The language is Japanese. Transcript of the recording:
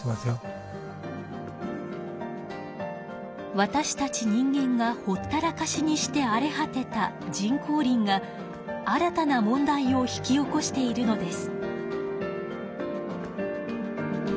わたしたち人間がほったらかしにしてあれ果てた人工林が新たな問題を引き起こしているのです。